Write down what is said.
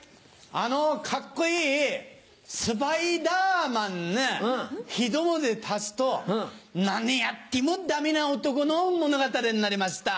あのカッコいい『スパイダーマン』にひと文字足すと何やってもダメな男の物語になりました。